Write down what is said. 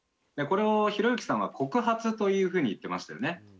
これをひろゆきさんは告発というふうに言ってましたよね。